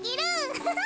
アハハ。